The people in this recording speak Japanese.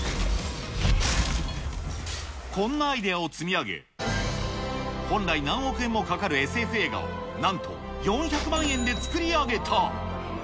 こんなアイデアを積み上げ、本来、何億円もかかるＳＦ映画を、なんと４００万円で作り上げた。